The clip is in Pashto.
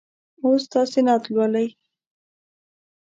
اوس تاسې نعت لولئ.